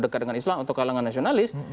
dekat dengan islam atau kalangan nasionalis